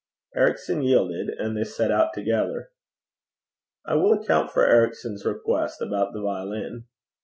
Ericson yielded; and they set out together. I will account for Ericson's request about the violin.